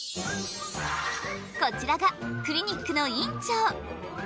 こちらがクリニックの院長。